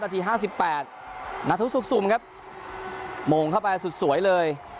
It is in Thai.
นาทีห้าสิบแปดนาทุสุกสุมครับโหมงเข้าไปสุดสวยเลย